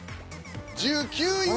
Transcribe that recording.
１９位は。